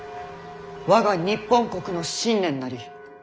我が日本国の新年なり。